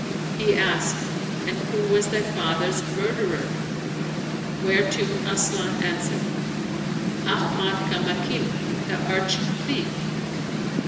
He asked, "And who was thy father's murderer? " whereto Asian answered, " Ahmad Kamakim, the arch thief."